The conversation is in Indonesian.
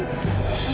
dia pasti menang